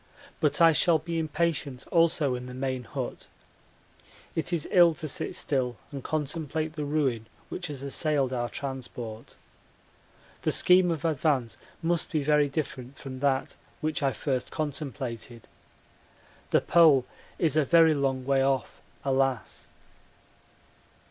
But I shall be impatient also in the main hut. It is ill to sit still and contemplate the ruin which has assailed our transport. The scheme of advance must be very different from that which I first contemplated. The Pole is a very long way off, alas!